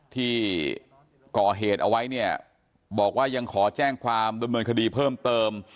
ที่ก่อเหตุเอาไว้เนี่ยบอกว่ายังขอแจ้งความดำเนินคดีเพิ่มเติม